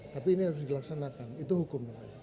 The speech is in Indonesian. tapi ini harus dilaksanakan itu hukum